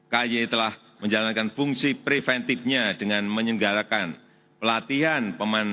kay telah menjalankan fungsi preventifnya dengan menyenggarakan pelatihan